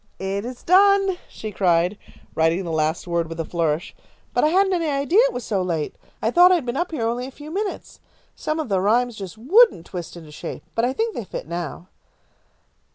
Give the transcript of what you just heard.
"It is done," she cried, writing the last word with a flourish, "but I hadn't any idea it was so late. I thought I had been up here only a few minutes. Some of the rhymes just wouldn't twist into shape, but I think they fit now."